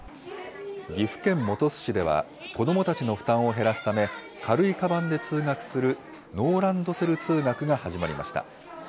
岐阜県本巣市では、子どもたちの負担を減らすため、軽いかばんで通学する、ノーランドセル通学が始まりました。